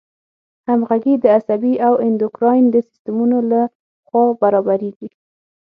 همغږي د عصبي او اندوکراین د سیستمونو له خوا برابریږي.